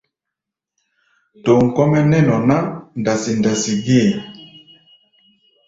Tom kɔ́-mɛ́ nɛ́ nɔ ná ndasi-ndasi gée.